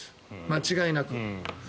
間違いなく。